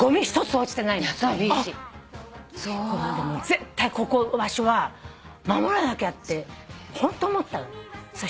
絶対ここの場所は守らなきゃってホント思ったの。